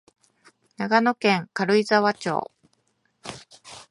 長野県軽井沢町